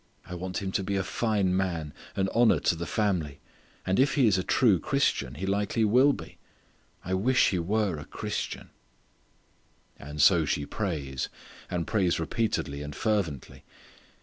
I want him to be a fine man, an honour to the family; and if he is a true Christian, he likely will be; I wish he were a Christian." And so she prays, and prays repeatedly and fervently.